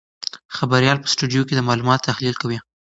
خبریال په سټوډیو کې د معلوماتو تحلیل کوي.